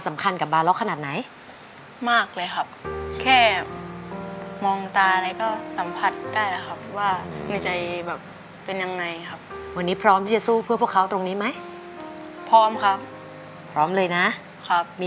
สมาทิพร้อมเพลงพร้อม